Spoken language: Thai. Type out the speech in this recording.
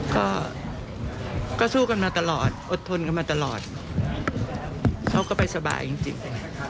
ก็ก็สู้กันมาตลอดอดทนกันมาตลอดเขาก็ไปสบายจริง